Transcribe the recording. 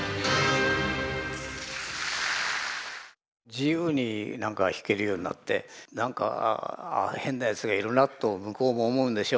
自由になんか弾けるようになってなんかああ変なやつがいるなと向こうも思うんでしょう。